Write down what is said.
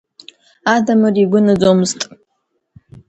Адамыр игәы наӡомызт.